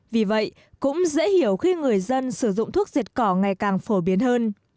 vì vậy cũng dễ hiểu khi người dân sử dụng thuốc diệt cỏ ngày càng phổ biến hơn